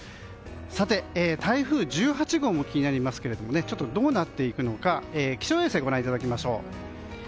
台風１８号も気になりますがどうなっていくのか気象衛星ご覧いただきましょう。